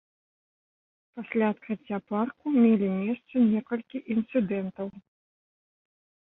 Пасля адкрыцця парку мелі месца некалькі інцыдэнтаў.